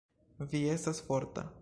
Vi estas forta.